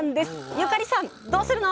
友加里さんどうするの？